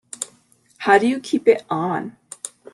How do you keep it on?